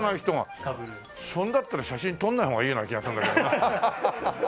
そうだったら写真撮んない方がいいような気がするんだけど。